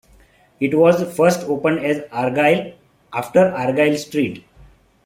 It was first opened as Argyle, after Argyle Street.